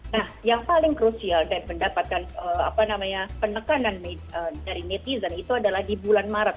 nah yang paling krusial dari pendapatan apa namanya penekanan dari netizen itu adalah di bulan maret